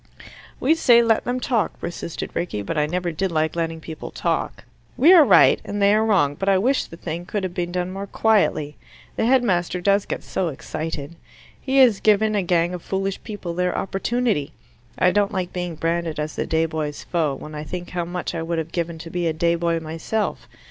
"We say, 'Let them talk,'" persisted Rickie, "but I never did like letting people talk. We are right and they are wrong, but I wish the thing could have been done more quietly. The headmaster does get so excited. He has given a gang of foolish people their opportunity. I don't like being branded as the day boy's foe, when I think how much I would have given to be a day boy myself.